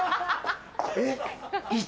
えっ。